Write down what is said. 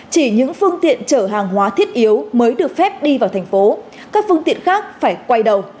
chỉ những phương tiện chở hàng hóa thiết yếu mới được phép đi vào thành phố các phương tiện khác phải quay đầu